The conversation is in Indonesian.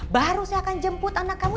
baru saya akan jemput anak kamu